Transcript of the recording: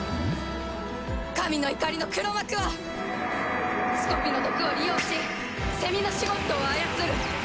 神の怒りの黒幕はすこピの毒を利用しセミのシュゴッドを操る。